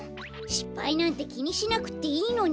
しっぱいなんてきにしなくっていいのに。